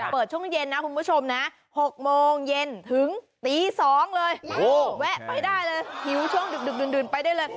เปิดช่วงเย็นนะคุณผู้ชมนะ๖โมงเย็นถึงตี๒เลยแวะไปได้เลยหิวช่วงดึกดื่นไปได้เลย